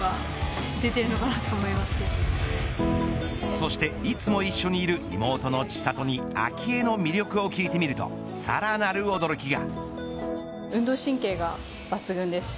そしていつも一緒にいる妹の千怜に明愛の魅力を聞いてみるとさらなる驚きが。